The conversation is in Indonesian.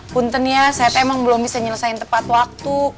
bentar ya saya emang belum bisa nyelesain tepat waktu